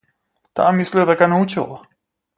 Таа мисли дека научила.